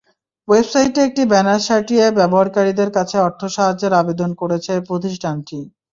ওয়েবসাইটে একটি ব্যানার সাঁটিয়ে ব্যবহারকারীদের কাছে অর্থ সাহায্যের আবেদন করেছে প্রতিষ্ঠানটি।